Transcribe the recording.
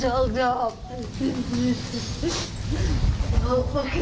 ไปนะยายไปแล้วนะโชว์